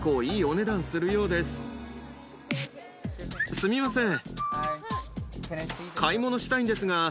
すみません。